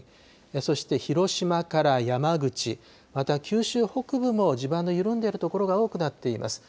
そして広島から山口、また九州北部も地盤の緩んでいる所が多くなっています。